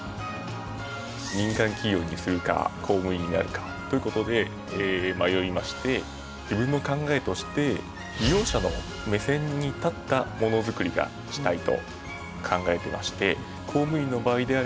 民間企業にするか公務員になるかということで迷いまして自分の考えとして利用者の目線にたったモノづくりがしたいと考えてまして市役所の職員を志望しました。